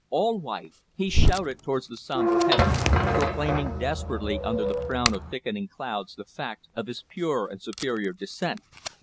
All white!" He shouted towards the sombre heaven, proclaiming desperately under the frown of thickening clouds the fact of his pure and superior descent.